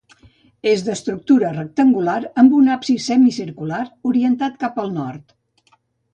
És d'estructura rectangular amb un absis semicircular orientat cap al nord.